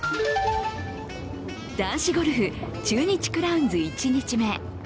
男子ゴルフ、中日クラウンズ１日目。